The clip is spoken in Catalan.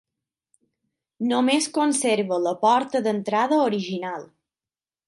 Només conserva la porta d'entrada original.